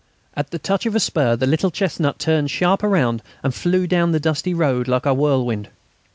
At the touch of the spur the little chestnut turned sharp round and flew down the dusty road like a whirlwind.